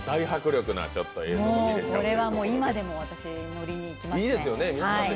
これはもう今でも私乗りに行きますね。